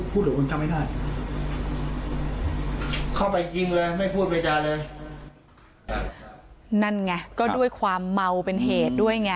เข้าไปยิงเลยไม่พูดไปจานเลยนั่นไงก็ด้วยความเมาเป็นเหตุด้วยไง